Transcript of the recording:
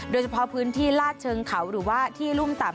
โดยเฉพาะพื้นที่ลาดเชิงเขาหรือว่าที่รุ่มต่ำ